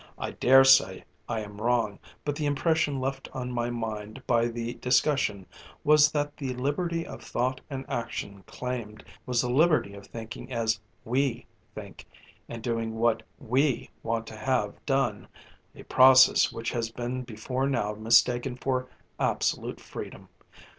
I daresay I am wrong, but the impression left on my mind by the discussion was that the liberty of thought and action claimed was the liberty of thinking as "we" think and doing what "we" want to have done a process which has been before now mistaken for absolute freedom.